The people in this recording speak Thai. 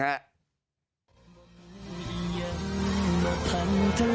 ดูอุ้ยเห็นไหมคะ